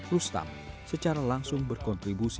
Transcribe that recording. rustam secara langsung berkontribusi